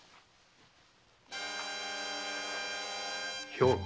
兵庫。